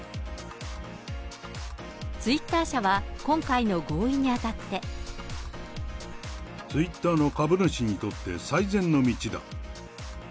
ツイッター社は、今回の合意にあたって。ツイッターの株主にとって、最善の道だ。